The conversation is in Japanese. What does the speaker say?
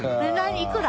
いくら？